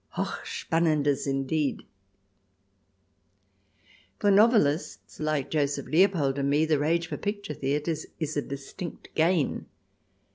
Hoch Spannendes, indeed ! For novelists like Joseph Leopold and me the rage for picture theatres is a distinct gain.